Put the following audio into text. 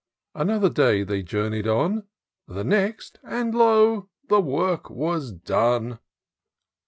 Another day they journey 'd on; The next, and lo ! the work was done.